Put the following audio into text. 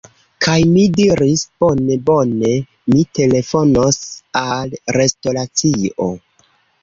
Kaj mi diris, "bone bone... mi telefonos al restoracio"